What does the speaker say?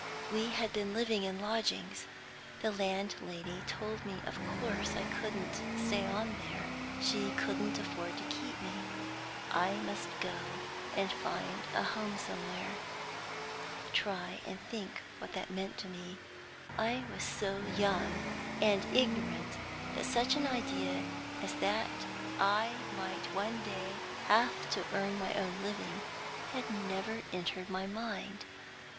We had been living in lodgings. The landlady told me that of course I couldn't stay on there; she couldn't afford to keep me; I must go and find a home somewhere. Try and think what that meant to me. I was so young and ignorant that such an idea as that I might one day have to earn my own living had never entered my mind.